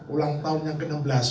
ulang tahun yang ke enam belas